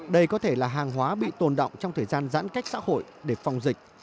đây có thể là hàng hóa bị tồn động trong thời gian giãn cách xã hội để phòng dịch